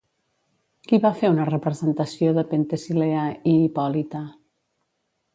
Qui va fer una representació de Penthesilea i Hipòlita?